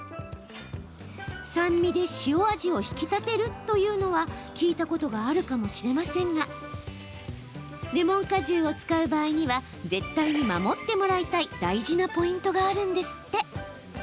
酸味で塩味を引き立てるというのは、聞いたことがあるかもしれませんがレモン果汁を使う場合には絶対に守ってもらいたい大事なポイントがあるんですって。